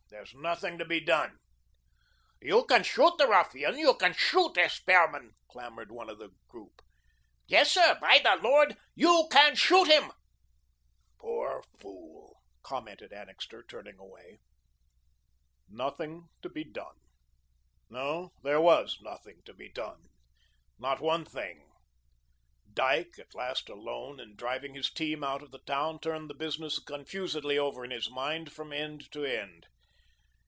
There's nothing to be done." "You can shoot the ruffian, you can shoot S. Behrman," clamoured one of the group. "Yes, sir; by the Lord, you can shoot him." "Poor fool," commented Annixter, turning away. Nothing to be done. No, there was nothing to be done not one thing. Dyke, at last alone and driving his team out of the town, turned the business confusedly over in his mind from end to end.